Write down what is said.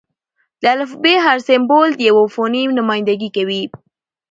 د الفبې: هر سېمبول د یوه فونیم نمایندګي کوي.